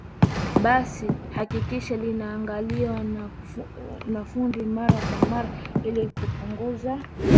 basi hakikisha linaangaliwa na fundi mara kwa mara ili kupunguza